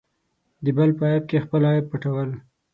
د بل په عیب کې خپل عیب پټول.